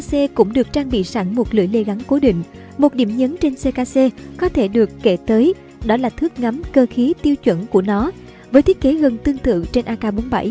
bên cạnh đó súng ckc cũng được trang bị sẵn một lưỡi lê gắn cố định một điểm nhấn trên ckc có thể được kể tới đó là thước ngắm cơ khí tiêu chuẩn của nó với thiết kế gần tương tự trên ak bốn mươi bảy